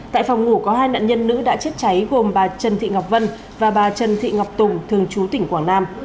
tại phòng ngủ có hai nạn nhân nữ đã chết cháy gồm bà trần thị ngọc vân và bà trần thị ngọc tùng thường chú tỉnh quảng nam